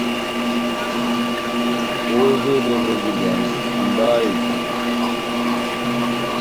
Ovévé voji bwámu, timbaha etungi.